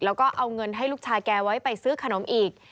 แล้วก็เอาเงินให้ลูกชายแกไว้ไปซื้อขนมอีก